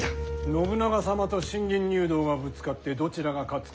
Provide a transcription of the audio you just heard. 信長様と信玄入道がぶつかってどちらが勝つかは。